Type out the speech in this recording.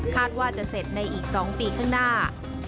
ว่าจะเสร็จในอีก๒ปีข้างหน้า